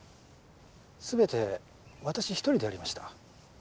全てわたし一人でやりました。